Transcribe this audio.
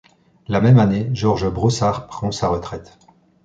La même année, Georges Brossard prend sa retraite.